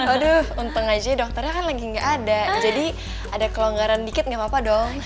aduh untung aja dokternya kan lagi nggak ada jadi ada kelonggaran dikit gak apa apa dong